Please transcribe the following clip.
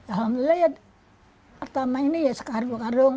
alhamdulillah pertama ini ya sekarung dua karung